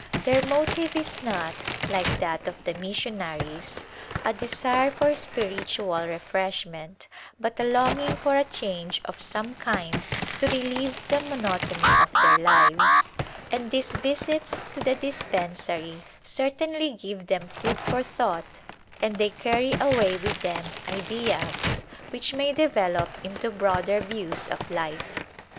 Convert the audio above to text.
Their As M Saw It motive is not, like that of the missionaries, a desire for spiritual refreshment, but a longing for a change of some kind to relieve the monotony of their lives, and these visits to the dispensary certainly give them food for thought and they carry away w^ith them ideas which may develop into broader views of life.